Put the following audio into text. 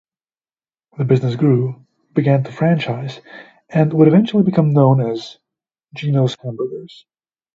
The business grew, began to franchise, and would eventually become known as Gino's Hamburgers.